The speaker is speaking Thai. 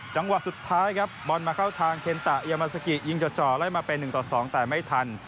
จังหวะสุดท้ายครับบอลมาเข้าทางเคนตะยามาซากิยิงจ่อไล่มาเป็น๑ต่อ๒แต่ไม่ทัน